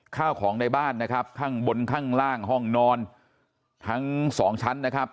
ข้าวของในบ้านนะครับข้างบนข้างล่างห้องนอนทั้งสองชั้นนะครับ